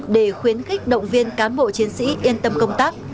để khuyến khích động viên cán bộ chiến sĩ yên tâm công tác